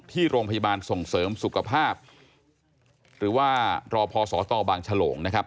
ที่โรงพยาบาลส่งเสริมสุขภาพหรือว่ารอพอสตบางฉลงนะครับ